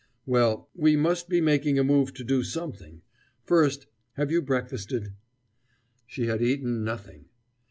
"Well, we must be making a move to do something first, have you breakfasted?" She had eaten nothing!